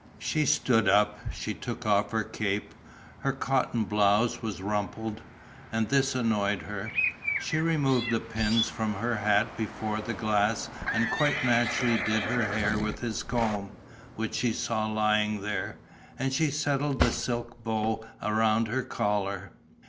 She stood up. She took off her cape. Her cotton blouse was rumpled; and this annoyed her. She removed the pins from her hat before the glass and quite naturally did her hair with his comb, which she saw lying there. And she settled the silk bow around her collar.